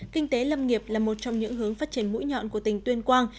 kinh tế lâm nghiệp là một trong những hướng phát triển mũi nhọn của tỉnh tuyên quang